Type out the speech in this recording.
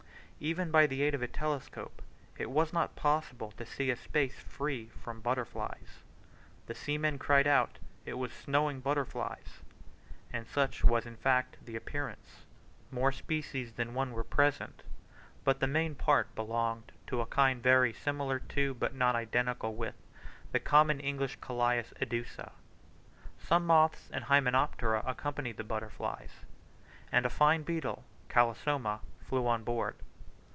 Even by the aid of a telescope it was not possible to see a space free from butterflies. The seamen cried out "it was snowing butterflies," and such in fact was the appearance. More species than one were present, but the main part belonged to a kind very similar to, but not identical with, the common English Colias edusa. Some moths and hymenoptera accompanied the butterflies; and a fine beetle (Calosoma) flew on board.